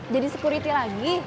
jadi security lagi